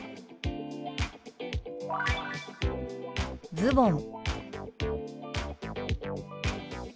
「ズボン」。